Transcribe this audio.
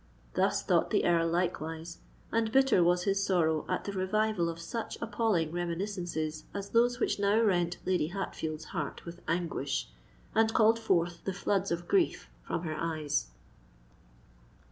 Thus thought the Earl likewise;—and bitter was his sorrow at the revival of such appalling reminiscences as those which now rent Lady Hatfield's heart with anguish, and called forth the floods of grief from her eyes.